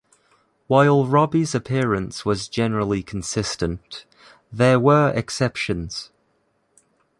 While Robby's appearance was generally consistent, there were exceptions.